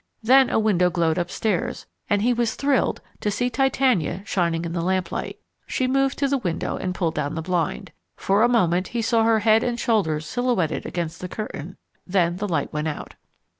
Then a window glowed upstairs, and he was thrilled to see Titania shining in the lamplight. She moved to the window and pulled down the blind. For a moment he saw her head and shoulders silhouetted against the curtain; then the light went out.